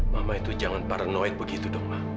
mama itu jangan paranoid begitu dok ma